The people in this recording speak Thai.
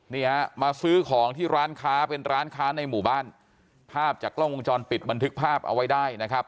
นี่ฮะมาซื้อของที่ร้านค้าเป็นร้านค้าในหมู่บ้านภาพจากกล้องวงจรปิดบันทึกภาพเอาไว้ได้นะครับ